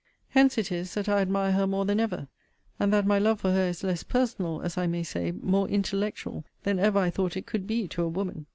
Hence it is that I admire her more than ever; and that my love for her is less personal, as I may say, more intellectual, than ever I thought it could be to a woman.